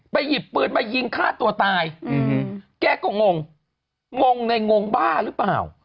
หยิบปืนมายิงฆ่าตัวตายแกก็งงงงงในงงบ้าหรือเปล่า